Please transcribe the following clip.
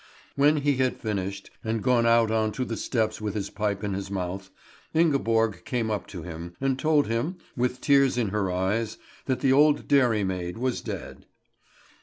When he had finished and gone out on to the steps with his pipe in his mouth, Ingeborg came up to him, and told him, with tears in his eyes, that the old dairymaid was dead.